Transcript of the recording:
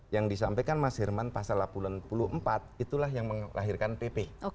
yang disampaikan mas herman pasal delapan puluh empat itulah yang melahirkan pp